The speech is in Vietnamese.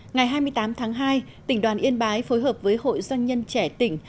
ngày hai mươi tám tháng hai tỉnh đoàn yên bái phối hợp với hội doanh nhân trẻ tỉnh